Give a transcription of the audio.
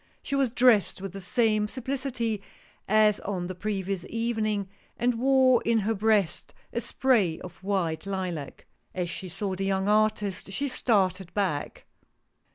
She was dressed with the same simplicity as on the previous evening, and wore in her breast a spray of white lilac. As she saw the young artist she started back.